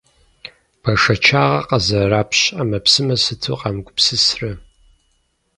Бэшэчагъэ къызэрапщ ӏэмэпсымэ сыту къамыгупсысрэ.